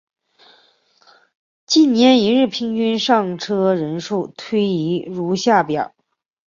近年一日平均上车人次推移如下表。